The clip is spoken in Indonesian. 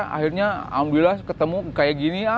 akhirnya alhamdulillah ketemu kayak gini